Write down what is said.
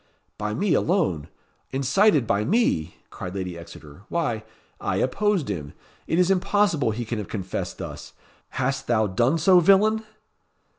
"By me alone! incited by me!" cried Lady Exeter; "why, I opposed him. It is impossible he can have confessed thus. Hast thou done so, villain?"